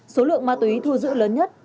số lượng ma túy thu giữ lớn nhất